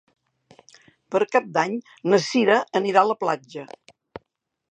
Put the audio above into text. Per Cap d'Any na Cira anirà a la platja.